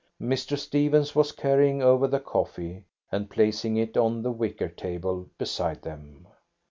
Mr. Stephens was carrying over the coffee and placing it on the wicker table beside them.